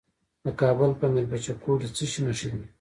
د کابل په میربچه کوټ کې د څه شي نښې دي؟